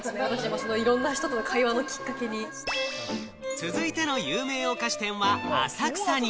続いての有名お菓子店は浅草に！